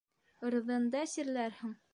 Ырҙында сирләрһең.